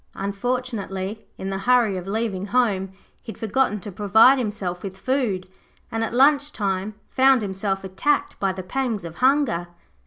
Unfortunately, in the hurry of leaving home, he had forgotten to provide himself with food, and at lunch time found himself attacked by the pangs of hunger.